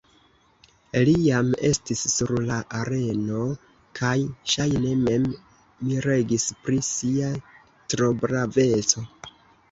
Li jam estis sur la areno kaj, ŝajne, mem miregis pri sia trobraveco.